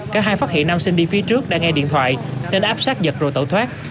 cả hai phát hiện nam sinh đi phía trước đã nghe điện thoại nên áp sát giật rồi tẩu thoát